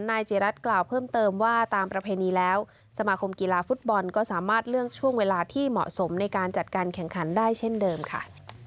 จีรัฐกล่าวเพิ่มเติมว่าตามประเพณีแล้วสมาคมกีฬาฟุตบอลก็สามารถเลือกช่วงเวลาที่เหมาะสมในการจัดการแข่งขันได้เช่นเดิมค่ะ